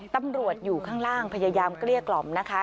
ตำรวจอยู่ข้างล่างพยายามเกลี้ยกล่อมนะคะ